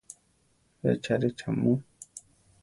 ¿Echáre cha mu?